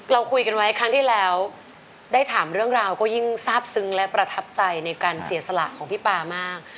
เราคุยกันไว้ครั้งที่แล้วได้ถามเรื่องราวก็ยิ่งทราบซึ้งและประทับใจในการเสียสละของพี่ปามาก